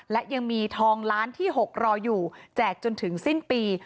และยังมีทองล้านที่๖รออยู่แจกจนถึงสิ้นปี